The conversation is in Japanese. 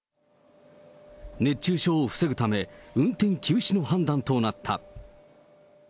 熱中症を防ぐため、運転休止の判断となった。